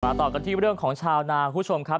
ต่อกันที่เรื่องของชาวนาคุณผู้ชมครับ